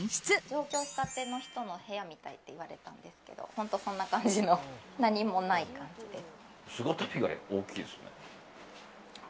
上京したての人の部屋みたいって言われたんですけど本当にそんな感じの何もない感じです。